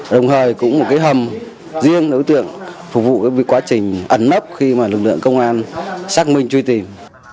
đồng hời cũng một cái hầm riêng đối tượng phục vụ với quá trình ẩn mấp khi mà lực lượng công an xác minh truy tìm